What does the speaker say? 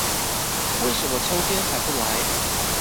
為什麼秋天還不來